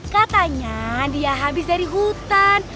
katanya dia habis dari hutan